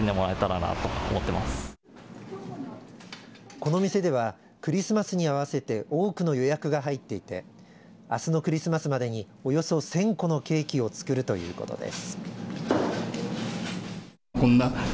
この店ではクリスマスに合わせて多くの予約が入っていてあすのクリスマスまでにおよそ１０００個のケーキを作るということです。